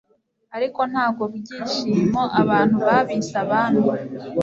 Ariko ntabwo byishimo abantu babise abami